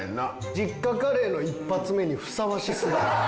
実家カレーの一発目にふさわしすぎる。